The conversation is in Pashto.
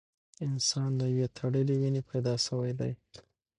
انسان له یوې تړلې وینې پیدا شوی دی.